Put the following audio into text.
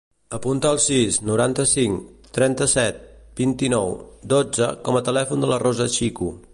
Apunta el sis, noranta-cinc, trenta-set, vint-i-nou, dotze com a telèfon de la Rosa Chico.